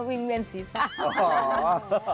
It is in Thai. วิ่งเวียนสีสาว